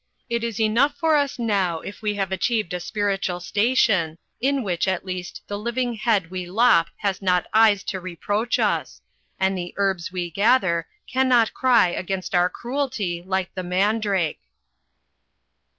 It is enough for us now if we have reached a spiritual station, in which at least the living head we lop has not eyes to reproach us; and the herbs we gather cannot cry against our cruelty like the man drake."